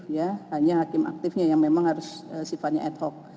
ya hanya hakim aktifnya yang memang harus sifatnya ad hoc